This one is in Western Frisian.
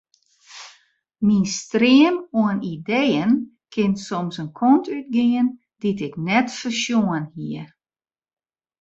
Myn stream oan ideeën kin soms in kant útgean dy't ik net foarsjoen hie.